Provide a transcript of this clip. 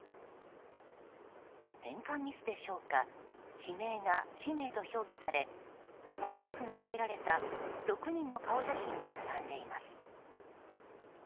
変換ミスでしょうか指名が氏名と表記されモザイクがかけられた６人の顔写真が並んでいます。